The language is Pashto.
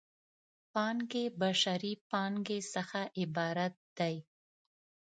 پانګې بشري پانګې څخه عبارت دی.